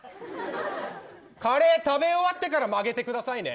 カレー食べ終わってから曲げてくださいね。